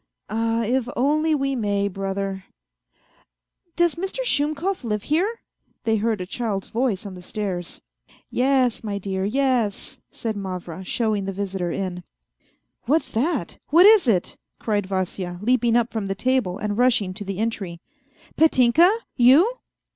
" Ah, if only we may, brother. ..."" Does Mr. Shumkov live here ?" they heard a child's voice on the stairs. STes, my dear, yes," said Mavra, showing the visitor in. " What's that ? What is it ?" cried Vasya, leaping up from the table and rushing to the entry, " Petinka, you